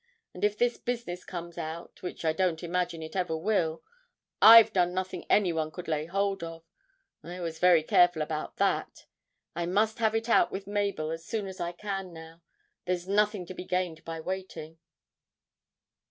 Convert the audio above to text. And if this business comes out (which I don't imagine it ever will) I've done nothing anyone could lay hold of. I was very careful about that. I must have it out with Mabel as soon as I can now there's nothing to be gained by waiting!'